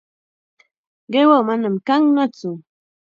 Qiwaqa manam kannatsu.